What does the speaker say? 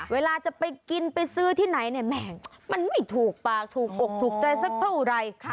เวลาจะไปกินไปซื้อที่ไหนเนี่ยแม่งมันไม่ถูกปากถูกอกถูกใจสักเท่าไร